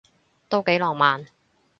都幾浪漫